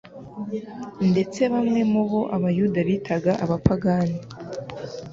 Ndetse bamwe mu bo Abayuda bitaga abapagani